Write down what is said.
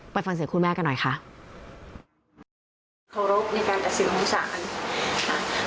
ไปฟังเสียคุณแม่กันหน่อยค่ะขอรบในการตัดสินของสาร